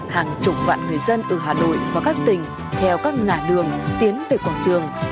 hàng chục vạn người dân từ hà nội và các tỉnh theo các ngã đường tiến về quảng trường